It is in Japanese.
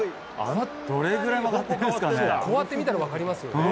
どれぐらい曲がっていくんでこうやって見たら分かりますよね。